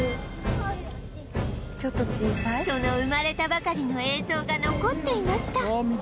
その生まれたばかりの映像が残っていました